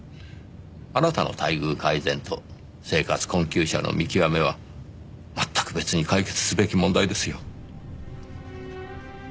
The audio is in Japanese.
あなたの待遇改善と生活困窮者の見極めはまったく別に解決すべき問題ですよ。